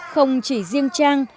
không chỉ riêng trang